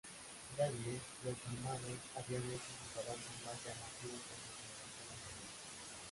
Davies, "los Normandos habían hecho sus avances más llamativos en la generación anterior".